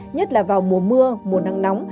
nhất là vào mùa mưa mùa nắng nóng